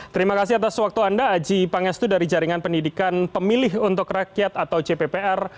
terima kasih atas waktu anda aji pangestu dari jaringan pendidikan pemilih untuk rakyat atau cppr